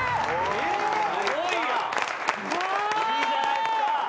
・いいじゃないっすか！